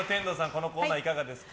このコーナーいかがですか？